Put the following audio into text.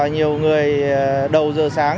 nhiều người đầu giờ sáng